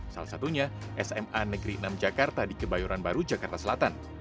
salah satunya sma negeri enam jakarta di kebayoran baru jakarta selatan